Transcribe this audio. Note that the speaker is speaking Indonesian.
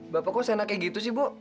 bapak kok enak kayak gitu sih bu